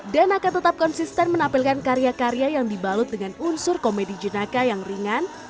dan akan tetap konsisten menampilkan karya karya yang dibalut dengan unsur komedi jenaka yang ringan